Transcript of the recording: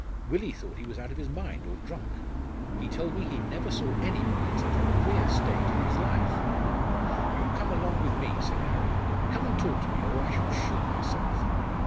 Willie thought he was out of his mind, or drunk. He told me he never saw anybody in such a queer state in his life. 'You come along with me,' said Harry, 'come and talk to me, or I shall shoot myself!'